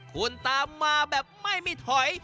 คุณตามมาแบบไม่มีถอย